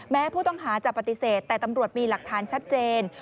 แม้ผู้ต้องหาจะปฏิเสธแต่ตำรวจมีหลักฐานชัดเจน